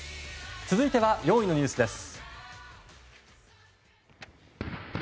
続いては４位のニュースです。